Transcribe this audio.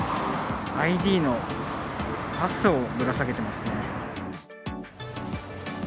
ＩＤのパスをぶら下げてますね。